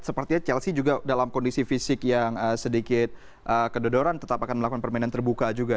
sepertinya chelsea juga dalam kondisi fisik yang sedikit kedodoran tetap akan melakukan permainan terbuka juga